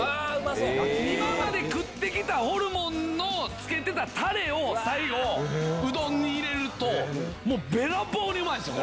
今まで食ってきたホルモンのつけてたタレを最後うどんに入れるとべらぼうにうまいんすよ